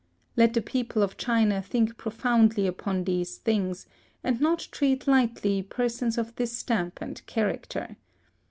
Let the people of China think profoundly upon these things, and not treat lightly persons of this stamp and character.